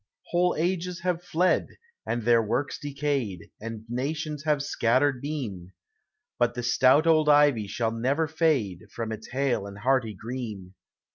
Whole ages have fled, and their works decayed, And nations have scattered been; But the stout old ivy shall never fade From its hale and hearty green.